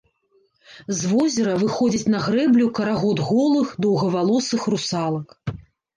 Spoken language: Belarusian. З возера выходзіць на грэблю карагод голых доўгавалосых русалак.